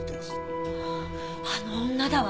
あの女だわ。